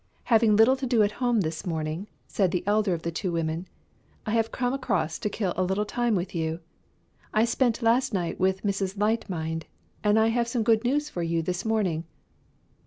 "Having little to do at home this morning," said the elder of the two women, "I have come across to kill a little time with you. I spent last night with Mrs. Light mind, and I have some good news for you this morning."